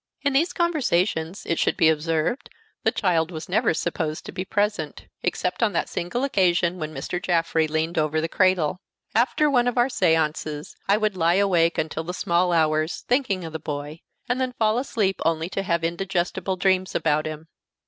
In these conversations, it should be observed, the child was never supposed to be present, except on that single occasion when Mr. Jaffrey leaned over the cradle. After one of our séances I would lie awake until the small hours, thinking of the boy, and then fall asleep only to have indigestible dreams about him.